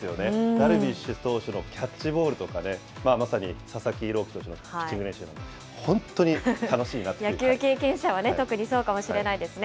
ダルビッシュ投手のキャッチボールとかね、まさに佐々木朗希投手のピッチング練習なんかも、本当に楽しいな野球経験者は特にそうかもしれないですね。